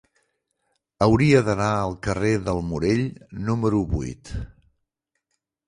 Hauria d'anar al carrer del Morell número vuit.